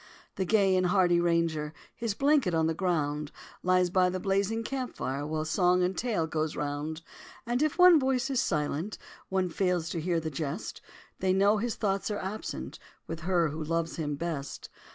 The gay and hardy Ranger, His blanket on the ground, Lies by the blazing camp fire While song and tale goes round; And if one voice is silent, One fails to hear the jest, They know his thoughts are absent With her who loves him best.